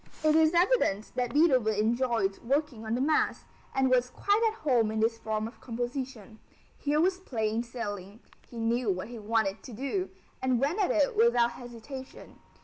It is evident that Beethoven enjoyed working on the Mass, and was quite at home in this form of composition. Here was plain sailing; he knew what he wanted to do, and went at it without hesitation.